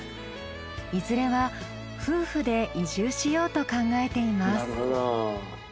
いずれは夫婦で移住しようと考えています。